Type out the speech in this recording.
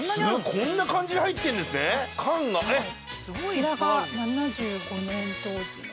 こちらが７５年当時の。